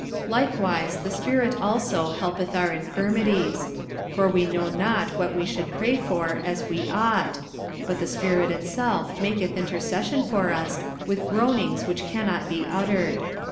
45:008:026 Likewise the Spirit also helpeth our infirmities: for we know not what we should pray for as we ought: but the Spirit itself maketh intercession for us with groanings which cannot be uttered.